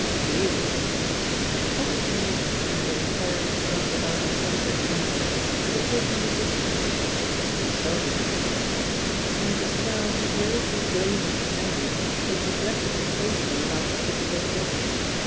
"Really!" Edward Henry's ignorance of affairs round about the centre of the universe was occasionally distressing to himself in particular. And just now he gravely blamed Mr. Marrier, who had neglected to post him about Isabel Joy.